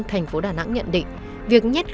thành phố đà nẵng nhận định việc nhét khai